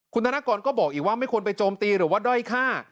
คุณธนกรก็บอกอีกว่าไม่ควรไปโจมตีหรือว่าด้อยฆ่า